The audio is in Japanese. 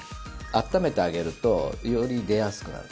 温めてあげるとより出やすくなる。